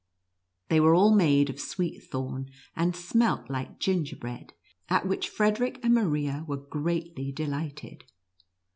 They were all made of sweet thorn, and smelt like gingerbread, at which Frederic and Maria were greatly delight ed.